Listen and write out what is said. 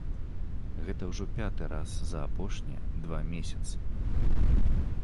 Гэта ўжо пяты раз за апошнія два месяцы.